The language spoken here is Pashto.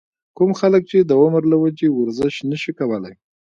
کوم خلک چې د عمر له وجې ورزش نشي کولے